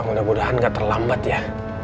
mudah mudahan nggak terlambat ya